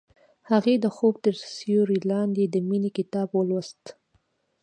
هغې د خوب تر سیوري لاندې د مینې کتاب ولوست.